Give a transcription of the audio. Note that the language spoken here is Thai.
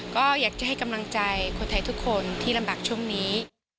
ก็อยากจะให้กำลังใจคนไทยทุกคนที่ลำบากช่วงนี้